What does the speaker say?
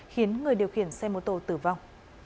khiến người điều khiển xe mô tô tử vong